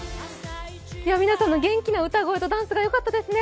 皆さんの元気な歌声とダンスがよかったですね。